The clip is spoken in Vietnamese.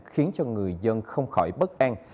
khiến cho người dân không khỏi bất an